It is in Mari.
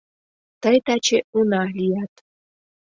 Тый таче уна лият...